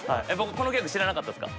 このギャグ知らなかったですか？